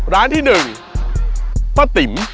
ร้านที่หนึ่งป้าติ๋ม